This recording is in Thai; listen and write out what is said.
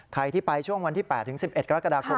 ใครที่ไปช่วงวันที่๘๑๑กรกฎาคม